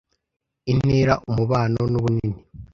Intera, umubano, nubunini,